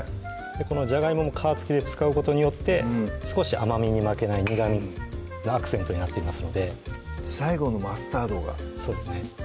このじゃがいもも皮付きで使うことによって少し甘みに負けない苦みのアクセントになっていますので最後のマスタードがそうですね